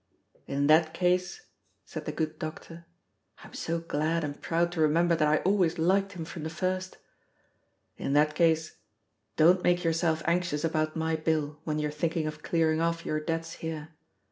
"In that case," said the good doctor (I am so glad and proud to remember that I always liked him from the first!), "in that case, don't make yourself anxious about my bill when you are thinking of clearing off your debts here.